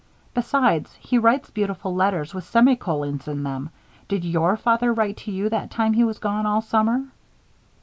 Besides, he writes beautiful letters, with semicolons in them! Did your father write to you that time he was gone all summer?"